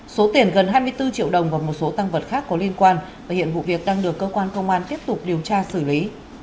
số tiền gần hai mươi bốn triệu đồng và một số tăng vật khác có liên quan và hiện vụ việc đang được cơ quan công an tiếp tục điều tra xử lý